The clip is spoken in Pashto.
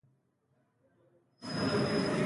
موږ د خپل تولید ملاتړ کوو.